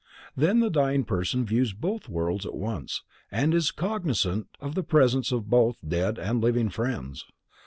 Then the dying person views both worlds at once, and is cognizant of the presence of both dead and living friends.